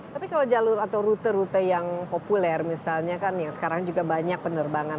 tapi kalau jalur atau rute rute yang populer misalnya kan yang sekarang juga banyak penerbangan